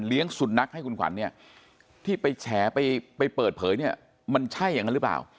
สุนัขให้คุณขวัญเนี่ยที่ไปแฉไปเปิดเผยเนี่ยมันใช่อย่างนั้นหรือเปล่า